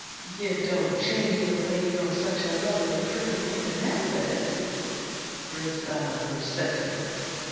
"You don't change it away from such a lovely trip if you can help it," Rosanna persisted.